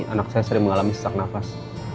anak saya sering mengalami sesak nafas